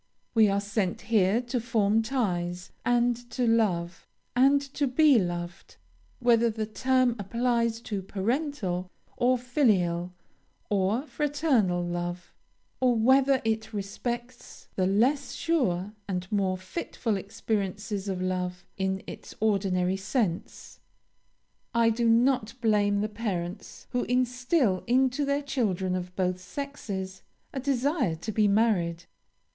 We are sent here to form ties, and to love, and to be loved, whether the term applies to parental, or filial, or fraternal love or whether it respects the less sure and more fitful experiences of love, in its ordinary sense. "I do not blame the parents who instil into their children of both sexes a desire to be married.